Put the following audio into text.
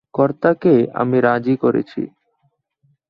কর্তাকে আমি রাজি করেছি।